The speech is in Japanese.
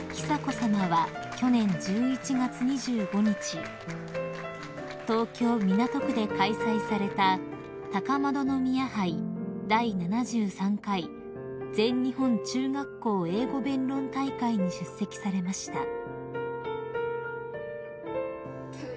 久子さまは去年１１月２５日東京港区で開催された高円宮杯第７３回全日本中学校英語弁論大会に出席されました］